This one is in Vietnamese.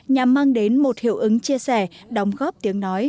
nhằm mang đến một hiệu ứng chia sẻ đóng góp tiếng nói